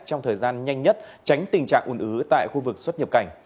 trong thời gian nhanh nhất tránh tình trạng ủn ứ tại khu vực xuất nhập cảnh